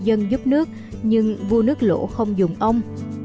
dân giúp nước nhưng vua nước lỗ không dùng ông